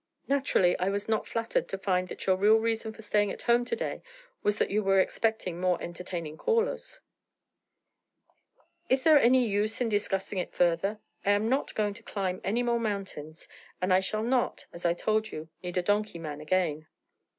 'Naturally, I was not flattered to find that your real reason for staying at home to day, was that you were expecting more entertaining callers.' 'Is there any use in discussing it further? I am not going to climb any more mountains, and I shall not, as I told you, need a donkey man again.'